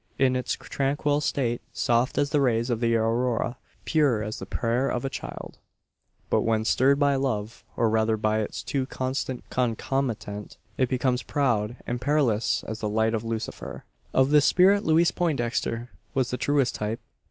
In its tranquil state, soft as the rays of the Aurora pure as the prayer of a child; but when stirred by love, or rather by its too constant concomitant it becomes proud and perilous as the light of Lucifer! Of this spirit Louise Poindexter was the truest type.